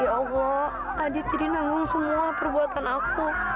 ya allah adit jadi menanggung semua perbuatan aku